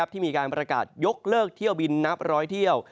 ที่มีการประกาศยกเลิกเที่ยวบินนับร้อยเที่ยว